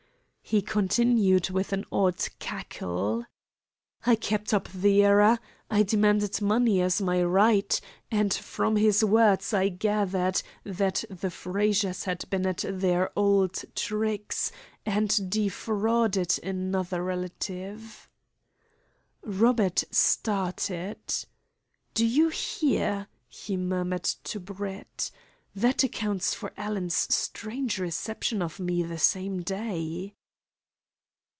He continued, with an odd cackle: "I kept up the error. I demanded money as my right, and from his words I gathered that the Frazers had been at their old tricks and defrauded another relative." Robert started. "Do you hear?" he murmured to Brett. "That accounts for Alan's strange reception of me the same day."